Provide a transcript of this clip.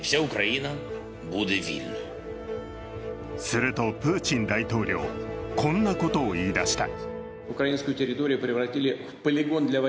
するとプーチン大統領こんなことを言い出した。